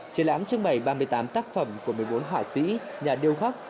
triển lãm trưng bày ba mươi tám tác phẩm của một mươi bốn họa sĩ nhà điêu khắc